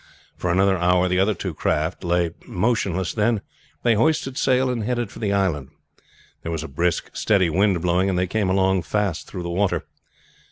For another hour the other two crafts lay motionless, then they hoisted sail and headed for the island. There was a brisk, steady wind blowing, and they came along fast through the water.